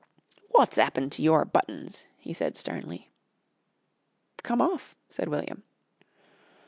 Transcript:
"Wot's 'appened to your buttons?" he said sternly. "Come off," said William.